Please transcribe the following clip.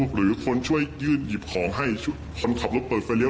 หรือคนช่วยยืดหยิบของให้คนขับรถเปิดไฟเลี